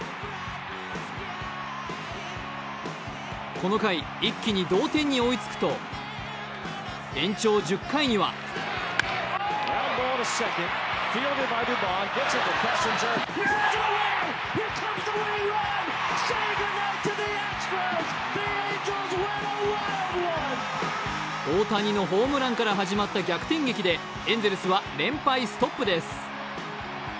この回、一気に同点に追いつくと延長１０回には大谷のホームランから始まった逆転劇でエンゼルスは連敗ストップです。